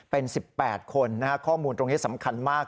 เป็น๑๘คนข้อมูลตรงนี้สำคัญมาก